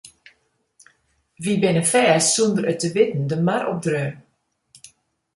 We binne fêst sûnder it te witten de mar opdreaun.